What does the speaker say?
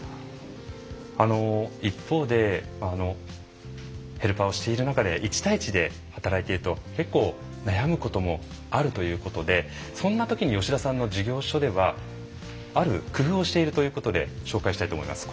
一方でヘルパーをしている中で一対一で働いていると結構悩むこともあるということでそんなときに吉田さんの事業所ではある工夫をしているということで紹介したいと思います。